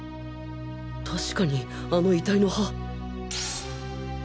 確かにあの遺体の歯